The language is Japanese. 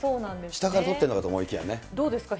下からとってるのかと思いきどうですか？